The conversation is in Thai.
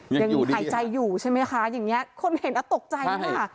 ยังหายใจอยู่ใช่ไหมคะอย่างนี้คนเห็นตกใจค่ะ